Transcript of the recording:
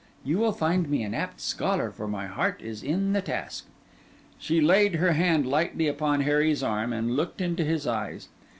You will find me an apt scholar, for my heart is in the task.' She laid her hand lightly upon Harry's arm, and looked into his eyes.